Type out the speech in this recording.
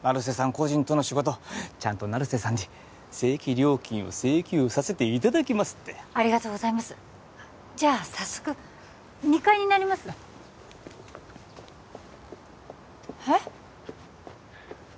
個人との仕事ちゃんと成瀬さんに正規料金を請求させていただきますってありがとうございますじゃあ早速２階になりますえっ？